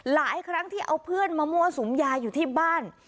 หลายครั้งที่เอาเพื่อนมามั่วสุมยาอยู่ที่บ้าน